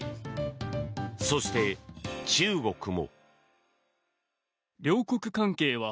そして、中国も。